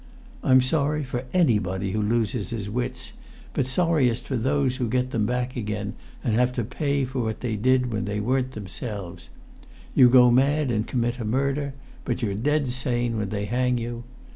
"I'm sorry for anybody who loses his wits, but sorriest for those who get them back again and have to pay for what they did when they weren't themselves. You go mad and commit a murder, but you're dead sane when they hang you!